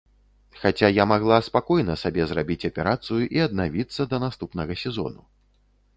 Хаця я магла спакойна сабе зрабіць аперацыю і аднавіцца да наступнага сезону.